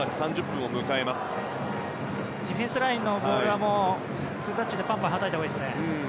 ディフェンスラインのボールは２タッチでパンパンはたいたほうがいいです。